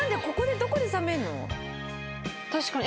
確かに。